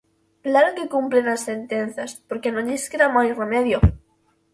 ¡Claro que cumpren as sentenzas, porque non lles queda máis remedio!